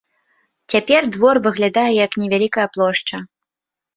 Цяпер двор выглядае як невялікая плошча.